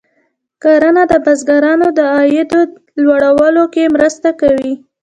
کرنه د بزګرانو د عاید لوړولو کې مرسته کوي.